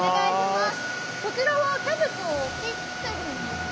こちらはキャベツを切ってるんですか？